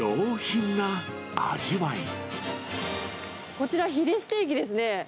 こちら、ヒレステーキですね。